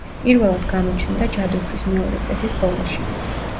პირველად გამოჩნდა ჯადოქრის მეორე წესის ბოლოში.